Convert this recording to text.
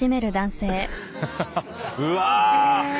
うわ！